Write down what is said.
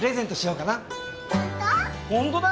本当だよ！